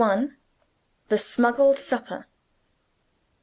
THE SMUGGLED SUPPER.